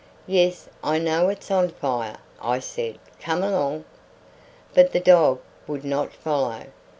"Yes, I know it's on fire," I said. "Come along." But the dog would not follow.